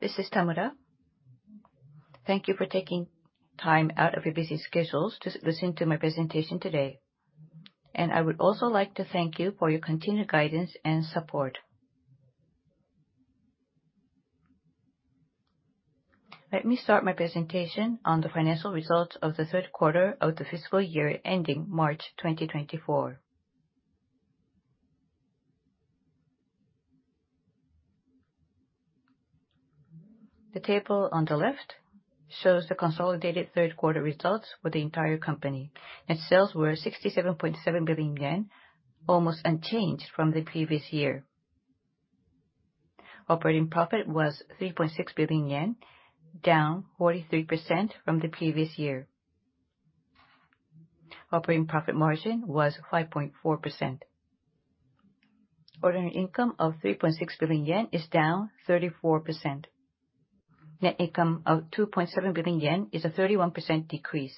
This is Tamura. Thank you for taking time out of your busy schedules to listen to my presentation today, and I would also like to thank you for your continued guidance and support. Let me start my presentation on the financial results of the third quarter of the fiscal year ending March 2024. The table on the left shows the consolidated third quarter results for the entire company. Net sales were 67.7 billion yen, almost unchanged from the previous year. Operating profit was 3.6 billion yen, down 43% from the previous year. Operating profit margin was 5.4%. Ordinary income of 3.6 billion yen is down 34%. Net income of 2.7 billion yen is a 31% decrease.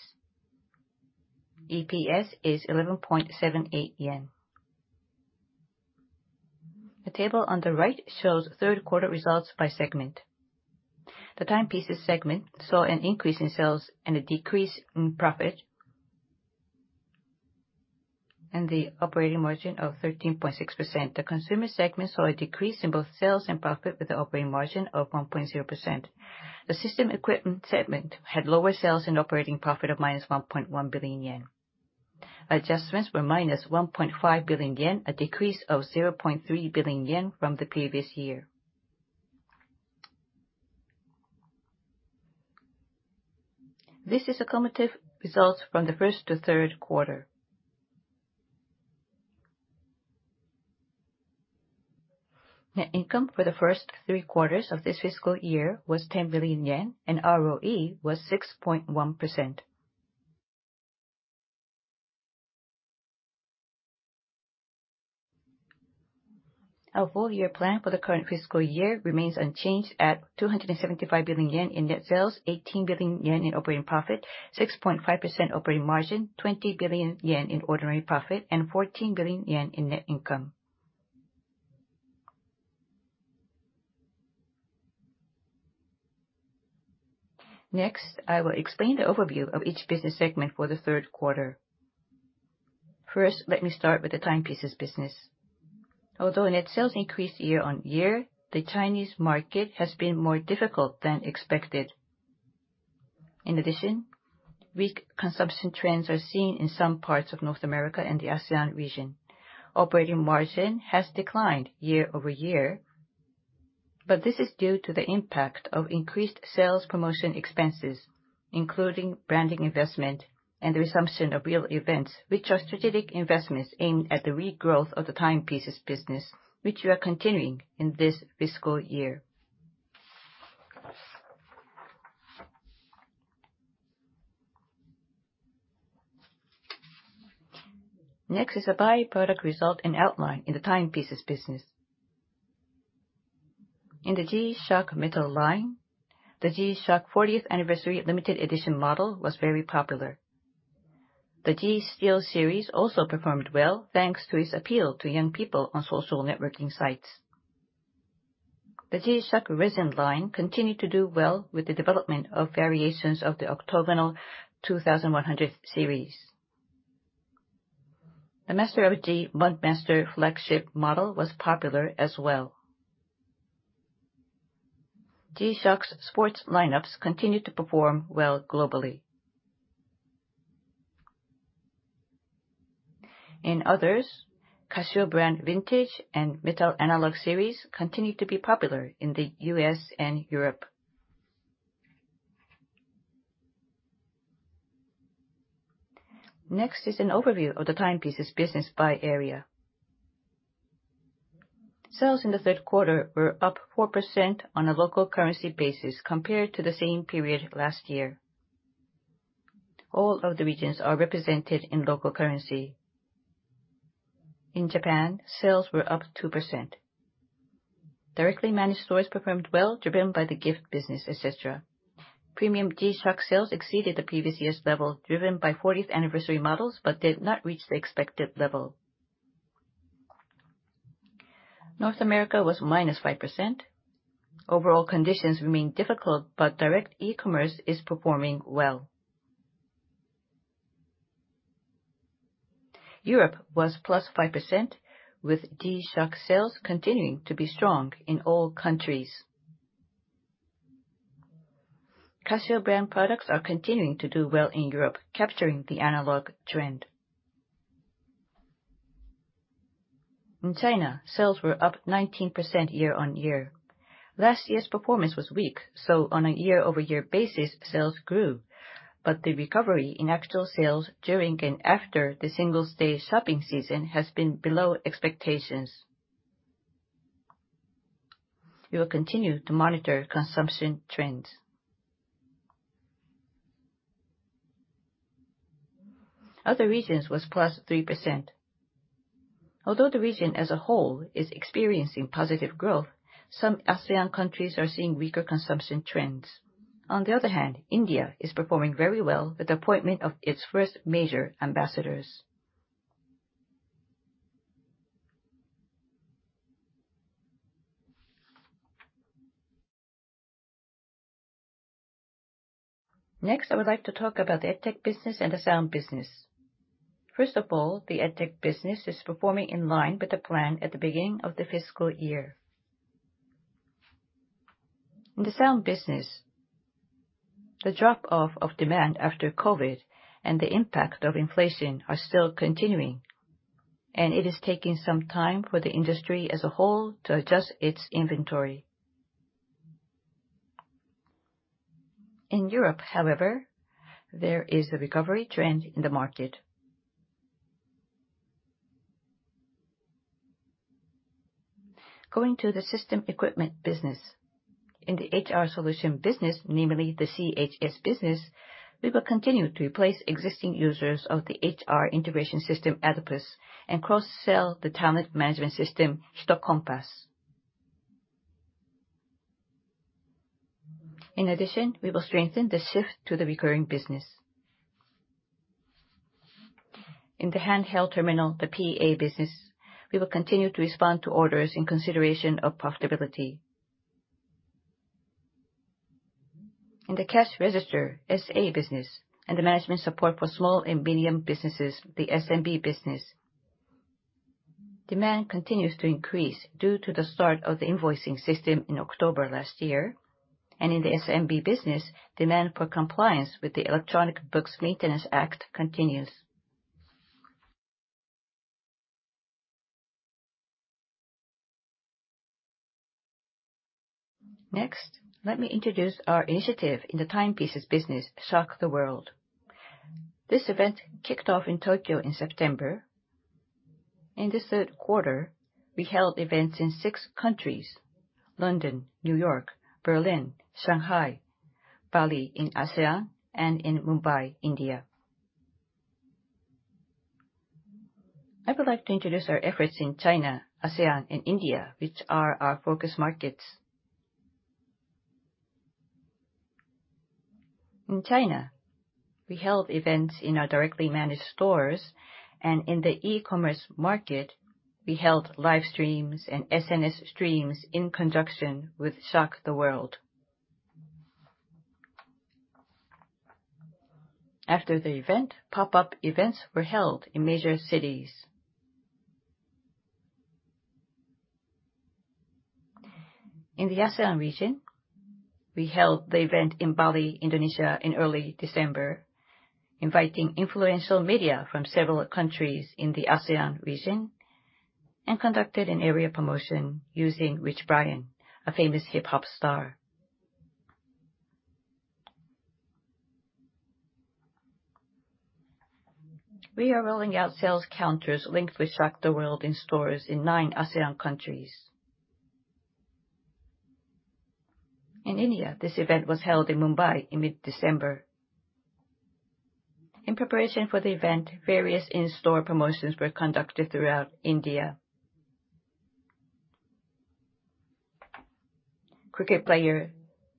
EPS is 11.78 yen. The table on the right shows third quarter results by segment. The Timepieces segment saw an increase in sales and a decrease in profit, and the operating margin of 13.6%. The Consumer segment saw a decrease in both sales and profit, with an operating margin of 1.0%. The System Equipment segment had lower sales and operating profit of -1.1 billion yen. Adjustments were -1.5 billion yen, a decrease of 0.3 billion yen from the previous year. This is cumulative results from the first to third quarter. Net income for the first three quarters of this fiscal year was 10 billion yen, and ROE was 6.1%. Our full year plan for the current fiscal year remains unchanged at 275 billion yen in net sales, 18 billion yen in operating profit, 6.5% operating margin, 20 billion yen in ordinary profit, and 14 billion yen in net income. Next, I will explain the overview of each business segment for the third quarter. First, let me start with the Timepieces business. Although net sales increased year-over-year, the Chinese market has been more difficult than expected. In addition, weak consumption trends are seen in some parts of North America and the ASEAN region. Operating margin has declined year-over-year, but this is due to the impact of increased sales promotion expenses, including branding investment and the resumption of real events, which are strategic investments aimed at the regrowth of the Timepieces business, which we are continuing in this fiscal year. Next is a by-product result and outline in the Timepieces business. In the G-SHOCK metal line, the G-SHOCK 40th anniversary limited edition model was very popular. The G-STEEL series also performed well, thanks to its appeal to young people on social networking sites. The G-SHOCK Resin line continued to do well with the development of variations of the Octagonal 2100 series. The MASTER OF G Mudmaster flagship model was popular as well. G-SHOCK's sports lineups continued to perform well globally. In others, CASIO brand vintage and metal analog series continued to be popular in the U.S. and Europe. Next is an overview of the Timepieces business by area. Sales in the third quarter were up 4% on a local currency basis compared to the same period last year. All of the regions are represented in local currency. In Japan, sales were up 2%. Directly managed stores performed well, driven by the gift business, et cetera. Premium G-SHOCK sales exceeded the previous year's level, driven by 40th anniversary models, but did not reach the expected level. North America was -5%. Overall conditions remain difficult, but direct e-commerce is performing well. Europe was +5%, with G-SHOCK sales continuing to be strong in all countries. Casio brand products are continuing to do well in Europe, capturing the analog trend. In China, sales were up 19% year-over-year. Last year's performance was weak, so on a year-over-year basis, sales grew, but the recovery in actual sales during and after the Singles' Day shopping season has been below expectations. We will continue to monitor consumption trends. Other regions was +3%. Although the region as a whole is experiencing positive growth, some ASEAN countries are seeing weaker consumption trends. On the other hand, India is performing very well with the appointment of its first major ambassadors... Next, I would like to talk about the EdTech business and the sound business. First of all, the EdTech business is performing in line with the plan at the beginning of the fiscal year. In the sound business, the drop-off of demand after COVID and the impact of inflation are still continuing, and it is taking some time for the industry as a whole to adjust its inventory. In Europe, however, there is a recovery trend in the market. Going to the system equipment business, in the HR solution business, namely the CHS business, we will continue to replace existing users of the HR integration system, ADPS, and cross-sell the talent management system, Hito Compass. In addition, we will strengthen the shift to the recurring business. In the handheld terminal, the PA business, we will continue to respond to orders in consideration of profitability. In the cash register, SA business, and the management support for small and medium businesses, the SMB business, demand continues to increase due to the start of the invoicing system in October last year, and in the SMB business, demand for compliance with the Electronic Books Maintenance Act continues. Next, let me introduce our initiative in the timepieces business, Shock the World. This event kicked off in Tokyo in September. In the third quarter, we held events in six countries: London, New York, Berlin, Shanghai, Bali in ASEAN, and in Mumbai, India. I would like to introduce our efforts in China, ASEAN, and India, which are our focus markets. In China, we held events in our directly managed stores, and in the e-commerce market, we held live streams and SNS streams in conjunction with Shock the World. After the event, pop-up events were held in major cities. In the ASEAN region, we held the event in Bali, Indonesia, in early December, inviting influential media from several countries in the ASEAN region, and conducted an area promotion using Rich Brian, a famous hip-hop star. We are rolling out sales counters linked with Shock the World in stores in nine ASEAN countries. In India, this event was held in Mumbai in mid-December. In preparation for the event, various in-store promotions were conducted throughout India. Cricket player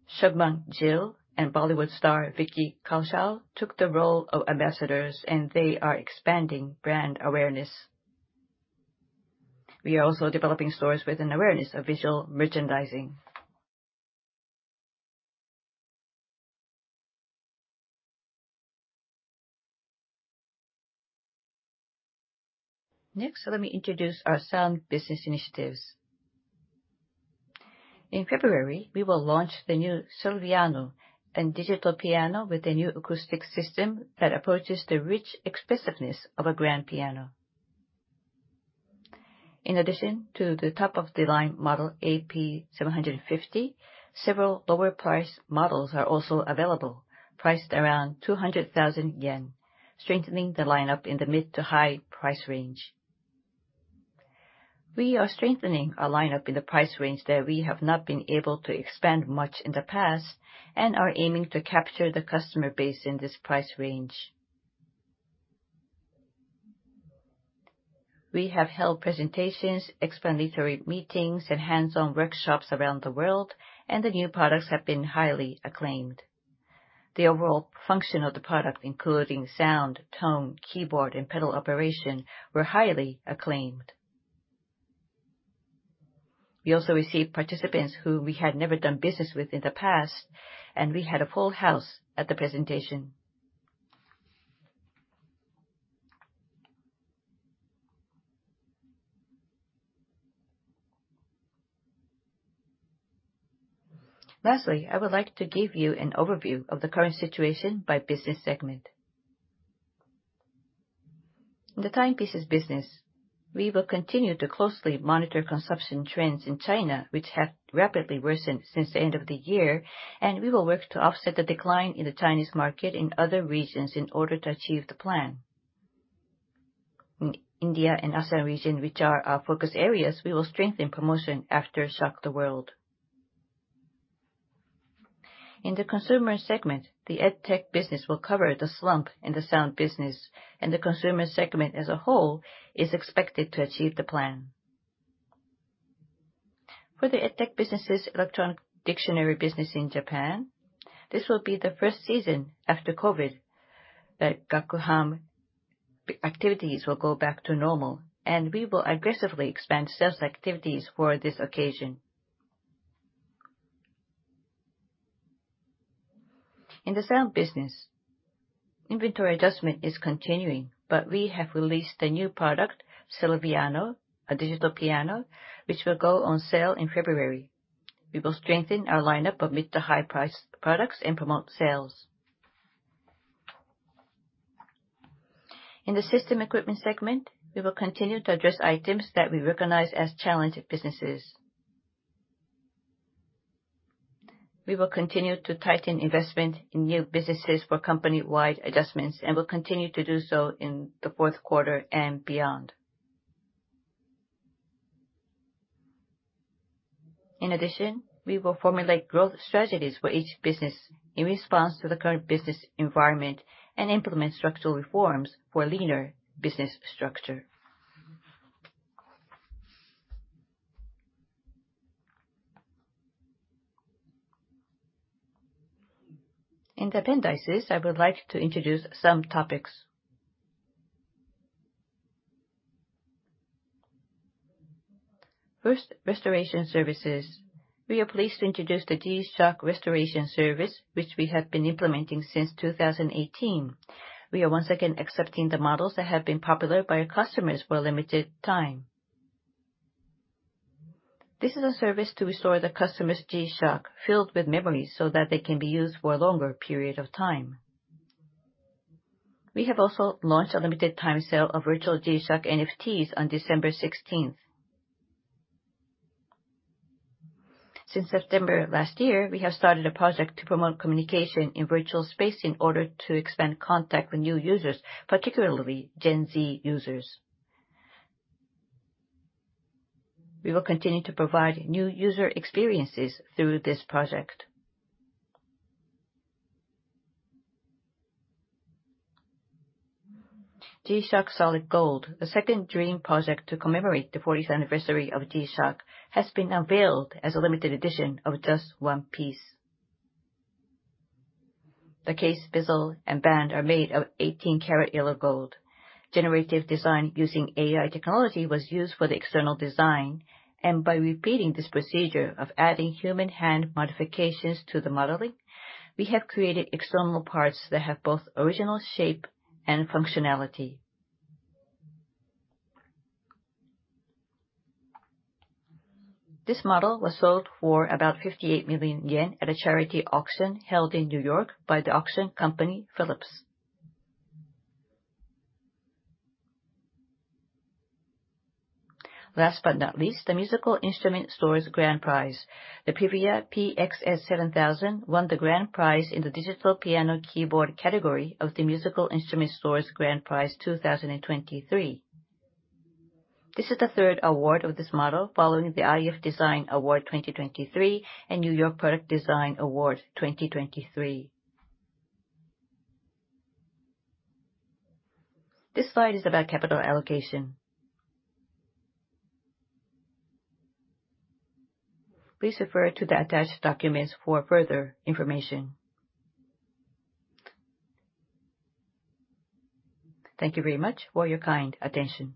Shubman Gill and Bollywood star Vicky Kaushal took the role of ambassadors, and they are expanding brand awareness. We are also developing stores with an awareness of visual merchandising. Next, let me introduce our Sound business initiatives. In February, we will launch the new CELVIANO, a digital piano with a new acoustic system that approaches the rich expressiveness of a grand piano. In addition to the top-of-the-line model, AP-750, several lower price models are also available, priced around 200,000 yen, strengthening the lineup in the mid to high price range. We are strengthening our lineup in the price range that we have not been able to expand much in the past and are aiming to capture the customer base in this price range. We have held presentations, explanatory meetings, and hands-on workshops around the world, and the new products have been highly acclaimed. The overall function of the product, including sound, tone, keyboard, and pedal operation, were highly acclaimed. We also received participants who we had never done business with in the past, and we had a full house at the presentation. Lastly, I would like to give you an overview of the current situation by business segment. In the timepieces business, we will continue to closely monitor consumption trends in China, which have rapidly worsened since the end of the year, and we will work to offset the decline in the Chinese market in other regions in order to achieve the plan. In India and ASEAN region, which are our focus areas, we will strengthen promotion after Shock the World. In the consumer segment, the EdTech business will cover the slump in the Sound business, and the consumer segment as a whole is expected to achieve the plan. For the EdTech business' electronic dictionary business in Japan, this will be the first season after COVID that Gakuhan activities will go back to normal, and we will aggressively expand sales activities for this occasion. In the Sound business, inventory adjustment is continuing, but we have released a new product, CELVIANO, a digital piano, which will go on sale in February. We will strengthen our lineup of mid-to-high price products and promote sales. In the system equipment segment, we will continue to address items that we recognize as challenged businesses. We will continue to tighten investment in new businesses for company-wide adjustments, and will continue to do so in the fourth quarter and beyond. In addition, we will formulate growth strategies for each business in response to the current business environment, and implement structural reforms for a leaner business structure. In the appendices, I would like to introduce some topics. First, restoration services. We are pleased to introduce the G-SHOCK Restoration Service, which we have been implementing since 2018. We are once again accepting the models that have been popular by our customers for a limited time. This is a service to restore the customer's G-SHOCK, filled with memories, so that they can be used for a longer period of time. We have also launched a limited time sale of virtual G-SHOCK NFTs on December 16th. Since September of last year, we have started a project to promote communication in virtual space in order to expand contact with new users, particularly Gen Z users. We will continue to provide new user experiences through this project. G-SHOCK Solid Gold, a second dream project to commemorate the 40th anniversary of G-SHOCK, has been unveiled as a limited edition of just one piece. The case, bezel, and band are made of 18-karat yellow gold. Generative design using AI technology was used for the external design, and by repeating this procedure of adding human hand modifications to the modeling, we have created external parts that have both original shape and functionality. This model was sold for about 58 million yen at a charity auction held in New York by the auction company, Phillips. Last but not least, the Musical Instrument Stores Grand Prize. The Privia PX-S7000 won the grand prize in the digital piano keyboard category of the Musical Instrument Stores Grand Prize 2023. This is the third award of this model following the iF Design Award 2023 and New York Product Design Award 2023. This slide is about capital allocation. Please refer to the attached documents for further information. Thank you very much for your kind attention.